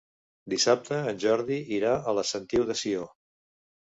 Dissabte en Jordi irà a la Sentiu de Sió.